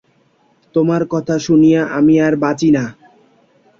তোমার কথা শুনিয়া আমি আর বাঁচি না!